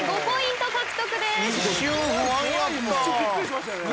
５ポイント獲得です。